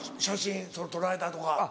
写真撮られたとか。